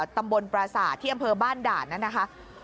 ตำบลปราศาสตร์ที่อำเภอบ้านด่านนั้นนะคะ